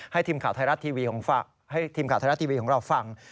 ให้ทีมข่าวไทยรัฐทีวีของเราฟัง